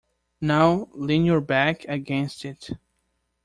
Now lean your back against it.